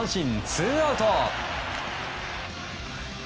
ツーアウト。